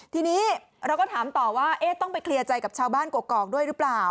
ทีนี้เราก็ถามต่อว่าต้องไปเคลียร์ใจกับชาวบ้านกรอกด้วยหรือเปล่า